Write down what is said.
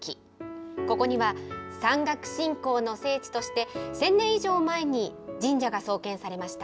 ここには山岳信仰の聖地として、１０００年以上前に神社が創建されました。